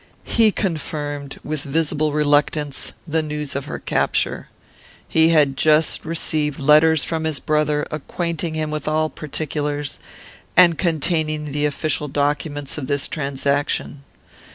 He confirmed, with visible reluctance, the news of her capture. He had just received letters from his brother, acquainting him with all particulars, and containing the official documents of this transaction.